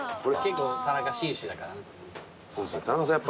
田中紳士だから。